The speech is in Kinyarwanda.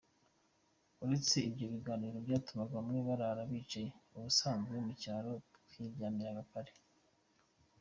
Uretse ibyo biganiro byatumaga bamwe barara bicaye, ubusanzwe mu cyaro twiryamiraga kare.